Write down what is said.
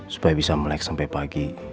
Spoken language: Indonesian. supaya bisa melek sampai pagi